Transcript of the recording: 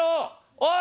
おい！